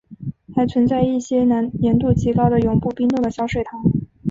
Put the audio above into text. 还存在一些盐度极高的永不冰冻的小水塘。